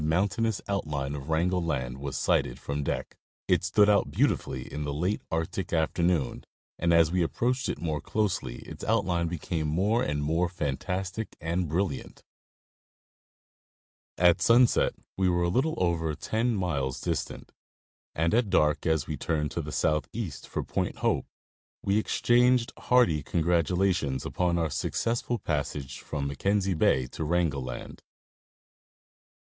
mountainous outline of Wrangel land was sighted from deck. It stood out beautifully in the late Arctic afternoon, and as we approached it more closely its outline became more and more fantastic and brilliant. At sunset we were a little over ten miles distant, and at dark, as we turned to the southeast for Point Hope, we exchanged hearty congratulations upon our successful passage from Mackenzie Bay to Wrangel land.